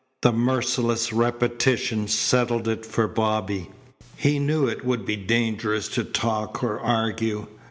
The merciless repetition settled it for Bobby. He knew it would be dangerous to talk or argue.